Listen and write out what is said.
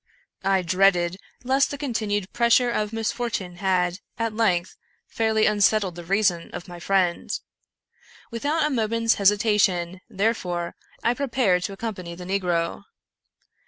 I dreaded lest the continued pressure of misfortune had, at length, fairly unsettled the reason of my friend. Without a moment's hesitation, therefore, I prepared to accompany the negro.